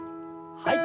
はい。